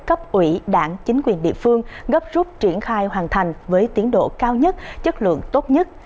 cấp ủy đảng chính quyền địa phương gấp rút triển khai hoàn thành với tiến độ cao nhất chất lượng tốt nhất